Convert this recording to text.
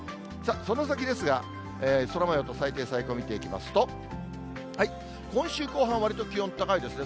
その先ですが、空もようの最低、最高見ていきますと、今週後半、わりと気温高いですね。